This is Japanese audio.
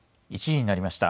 １時になりました。